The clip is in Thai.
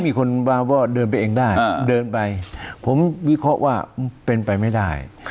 มีคนวาวอลเดินไปเองได้เดินไปผมวิเคราะห์ว่าเป็นไปไม่ได้